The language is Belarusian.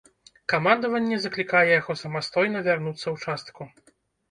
Камандаванне заклікае яго самастойна вярнуцца ў частку.